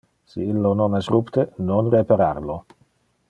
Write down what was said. Si illo non es rupte, non reparar lo.